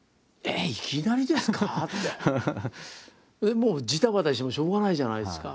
もうじたばたしてもしょうがないじゃないですか。